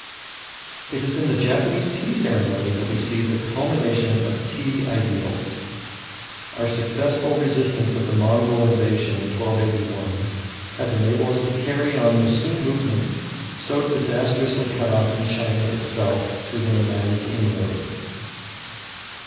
It is in the Japanese tea ceremony that we see the culmination of tea ideals. Our successful resistance of the Mongol invasion in 1281 had enabled us to carry on the Sung movement so disastrously cut off in China itself through the nomadic inroad.